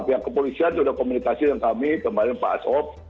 pihak kepolisian sudah komunikasi dengan kami kemarin pak asop